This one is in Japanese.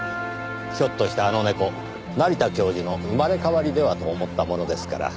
ひょっとしてあの猫成田教授の生まれ変わりではと思ったものですから。